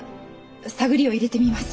探りを入れてみます。